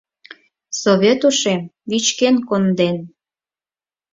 Совет Ушем вӱчкен конден.